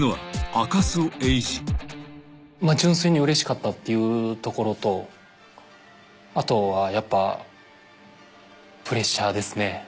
純粋にうれしかったっていうところとあとはやっぱプレッシャーですね。